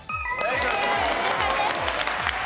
正解です。